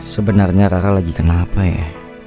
sebenarnya rara lagi kenapa ya